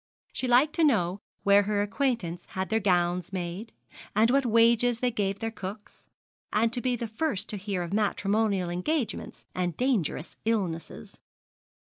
She liked to know where her acquaintance had their gowns made, and what wages they gave their cooks, and to be the first to hear of matrimonial engagements and dangerous illnesses.